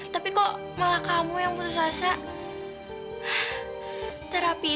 tapi kok malah kamu yang putus asa terapi